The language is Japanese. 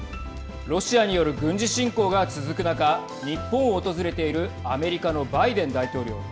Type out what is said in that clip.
ロシアによる軍事侵攻が続く中日本を訪れているアメリカのバイデン大統領。